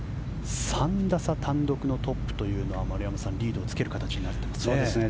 ３打差単独のトップというのは丸山さん、リードをつける形になってますね。